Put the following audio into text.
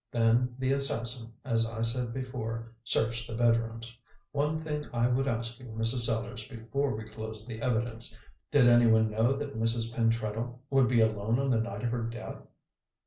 Then the assassin, as I said before, searched the bedrooms. One thing I would ask you, Mrs. Sellars, before we close the evidence. Did anyone know that Mrs. Pentreddle would be alone on the night of her death?"